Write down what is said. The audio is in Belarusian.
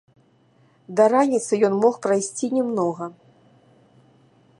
Да раніцы ён мог прайсці не многа.